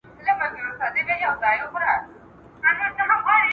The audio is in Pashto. څېړنه په حقیقت کي بېلابېل او مختلف ډولونه لري.